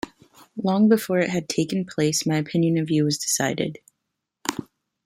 Long before it had taken place my opinion of you was decided.